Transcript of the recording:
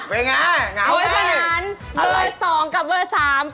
เพราะฉะนั้นเบอร์๒กับเบอร์๓